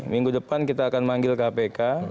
minggu depan kita akan manggil kpk